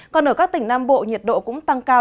còn ở các tỉnh nam bộ nhiệt độ cũng tăng cao